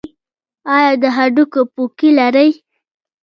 ایا د هډوکو پوکي لرئ؟